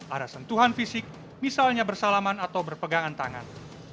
ada sentuhan fisik misalnya bersalaman atau berpegangan tangan